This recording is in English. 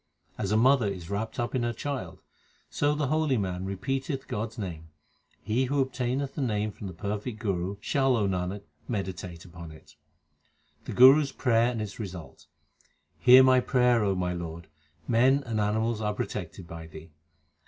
As a mother is wrapped up in her child, So the holy man repeateth God s name. He who obtaineth the Name from the perfect Guru Shall, O Nanak, meditate upon it. The Guru s prayer and its result : Hear my prayer, O my Lord ; men and animals are protected by Thee.